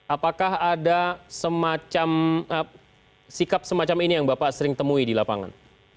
apakah ada semacam sikap semacam ini yang bapak sering temui di lapangan